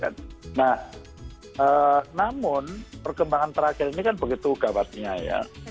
nah namun perkembangan terakhir ini kan begitu gawatnya ya